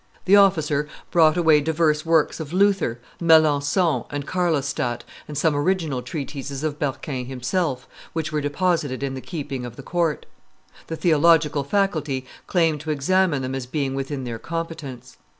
The officer brought away divers works of Luther, Melancthon, and Carlostadt, and some original treatises of Berquin himself, which were deposited in the keeping of the court. The theological faculty claimed to examine them as being within their competence.